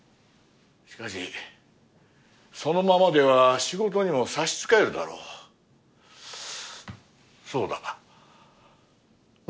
しかしそのままでは仕事にも差し支えそうだ明